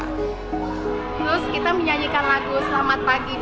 terus kita menyanyikan lagu selamat pagi bu guru itu